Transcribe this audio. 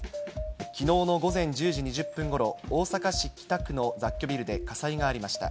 きのうの午前１０時２０分ごろ、大阪市北区の雑居ビルで火災がありました。